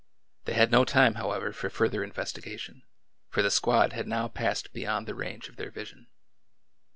They had no time, however, for further investigation, for the squad had now passed beyond the range of their vision.